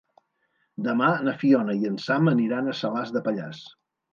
Demà na Fiona i en Sam aniran a Salàs de Pallars.